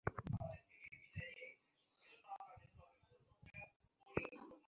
আমি আপনাকে প্রেম নিবেদন করব আর সব মাথামোটা মেয়েদের মতো!